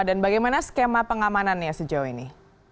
dan bagaimana skema pengamanannya sejauh ini